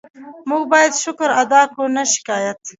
موږ باید شکر ادا کړو، نه شکایت.